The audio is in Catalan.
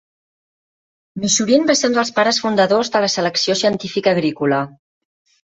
Michurin va ser un dels pares fundadors de la selecció científica agrícola.